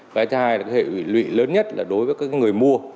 cái thứ hai là hệ lụy lớn nhất là đối với các người mua